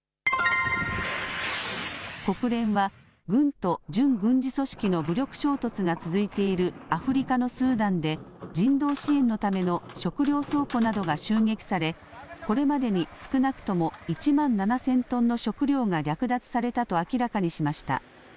国連は、軍と準軍事組織の武力衝突が続いているアフリカのスーダンで、人道支援のための食料倉庫などが襲撃され、これまでに少なくとも１万７０００トンの食料が略奪されたと明らかにしました。